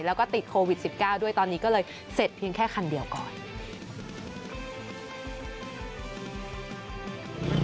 แล้วก็ติดโควิด๑๙ด้วยตอนนี้ก็เลยเสร็จเพียงแค่คันเดียวก่อน